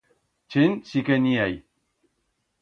Chent si que en i hai.